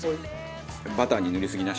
バターに塗りすぎなし。